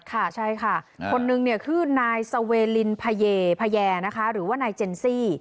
ค่ะใช่ค่ะคนนึงคือนายเซเวลินพาเยหรือว่านายเจนซี่